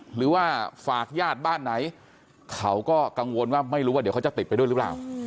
หรือว่าฝากญาติบ้านไหนเขาก็กังวลว่าไม่รู้ว่าเดี๋ยวเขาจะติดไปด้วยหรือเปล่า